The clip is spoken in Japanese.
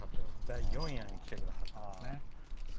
第四夜に来てくださってますね。